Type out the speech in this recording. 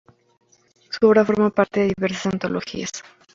Su obra forma parte de diversas antologías.